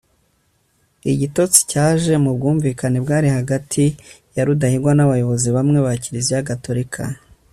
igitotsi cyaje mu bwumvikane bwari hagati ya rudahigwa n'abayobozi bamwe ba kiliziya gatolika